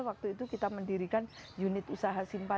waktu itu kita mendirikan unit usaha simpan pihak